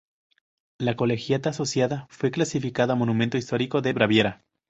La colegiata asociada fue clasificada monumento histórico de Baviera.